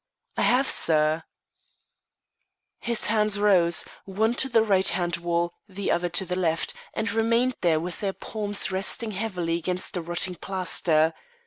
"I have, sir." His hands rose, one to the right hand wall, the other to the left, and remained there with their palms resting heavily against the rotting plaster.